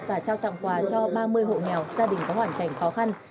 và trao tặng quà cho ba mươi hộ nghèo gia đình có hoàn cảnh khó khăn